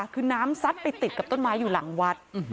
คือน้ำซัดไปติดกับต้นไม้อยู่หลังวัด